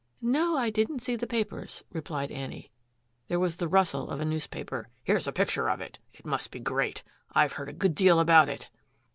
"No, I didn't see the papers," replied Annie. There was the rustle of a newspaper. "Here's a picture of it. It must be great. I've heard a good deal about it."